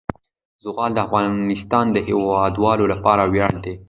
زغال د افغانستان د هیوادوالو لپاره ویاړ دی.